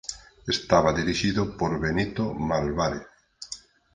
Estaba dirixido por Benito Malvárez.